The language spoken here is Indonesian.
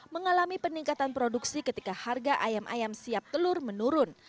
mengalami peningkatan produksi ketika harga ayam ayam siap telur menurun